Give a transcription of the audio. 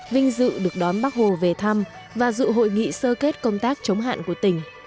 vinh dự được đón bác hồ về thăm và dự hội nghị sơ kết công tác chống hạn của tỉnh